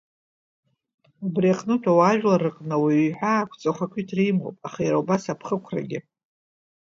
Убри аҟнытә ауаажәлар рыҟны ауаҩы иҳәаақәҵоу ахақәиҭра имоуп, аха иара убас аԥкырақәагьы.